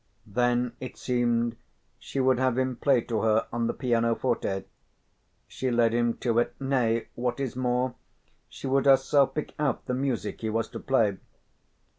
Then it seemed she would have him play to her on the pianoforte: she led him to it, nay, what is more, she would herself pick out the music he was to play.